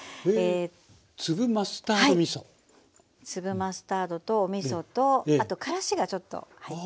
粒マスタードとおみそとあとからしがちょっと入ってますね。